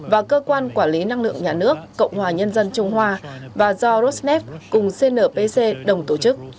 và cơ quan quản lý năng lượng nhà nước cộng hòa nhân dân trung hoa và do rosnef cùng cnpc đồng tổ chức